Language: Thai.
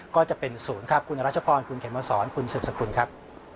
ก็จะเป็นศูนย์ครับคุณรัชพรคุณเขมสอนคุณสืบสกุลครับ